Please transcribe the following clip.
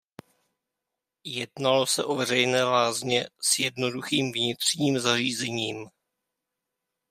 Jednalo se o veřejné lázně s jednoduchým vnitřním zařízením.